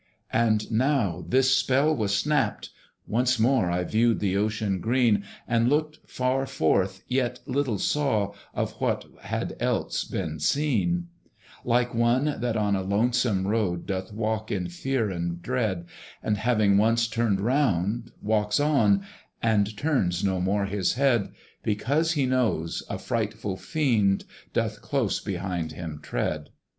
And now this spell was snapt: once more I viewed the ocean green. And looked far forth, yet little saw Of what had else been seen Like one that on a lonesome road Doth walk in fear and dread, And having once turned round walks on, And turns no more his head; Because he knows, a frightful fiend Doth close behind him tread.